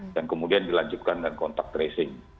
dan kemudian dilanjutkan dengan kontak tracing